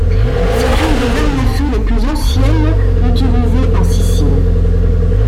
C'est une des armes à feu les plus anciennes utilisées en Sicile.